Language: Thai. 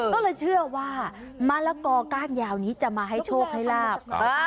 ก็เลยเชื่อว่ามะละกอก้านยาวนี้จะมาให้โชคให้ลาบ